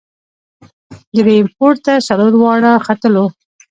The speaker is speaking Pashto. درییم پوړ ته څلور واړه ختلو.